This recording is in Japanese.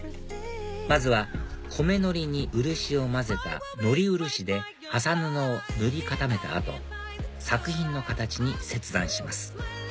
まずは米のりに漆を混ぜたのり漆で麻布を塗り固めた後作品の形に切断します